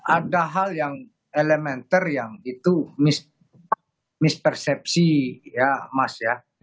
ada hal yang elementer yang itu mispersepsi ya mas ya